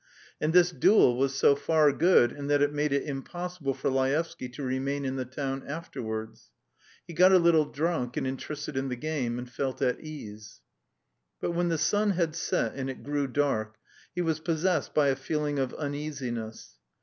And this duel was so far good in that it made it impossible for Laevsky to remain in the town afterwards. He got a little drunk and interested in the game, and felt at ease. But when the sun had set and it grew dark, he was possessed by a feeling of uneasiness.